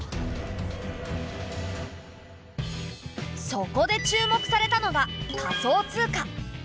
そこで注目されたのが仮想通貨。